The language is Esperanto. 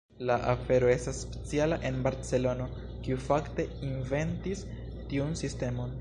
La afero estas speciala en Barcelono, kiu fakte “inventis” tiun sistemon.